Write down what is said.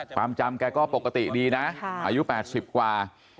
ความจำแกก็ปกติดีนะอายุ๘๐กว่า